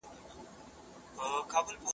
سوله د متقابل درک او زغم شتون دی.